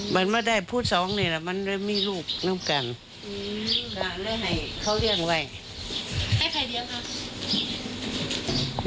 มันไม่ได้ผู้ที่สองฟังเนี่ยมันไม่มีลูกนั้งกัน